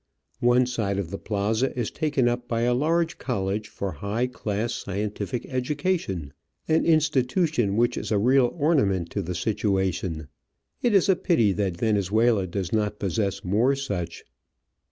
One side of the plaza is taken up by a large college for high class scientific education ^an institution which is a real ornament to the situation. It is a pity that Venezuela does not possess more such.